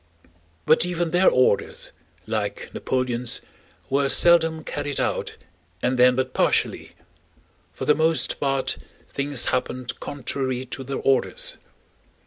But even their orders, like Napoleon's, were seldom carried out, and then but partially. For the most part things happened contrary to their orders.